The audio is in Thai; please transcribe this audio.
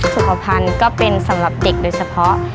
สุขภาพก็เป็นสำหรับเด็กโดยเฉพาะ